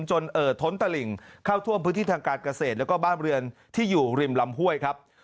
เอ่อท้นตะหลิ่งเข้าท่วมพื้นที่ทางการเกษตรแล้วก็บ้านเรือนที่อยู่ริมลำห้วยครับ